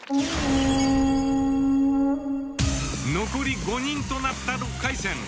残り５人となった６回戦。